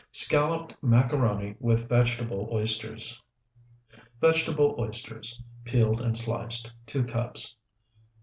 SCALLOPED MACARONI WITH VEGETABLE OYSTERS Vegetable oysters, peeled and sliced, 2 cups.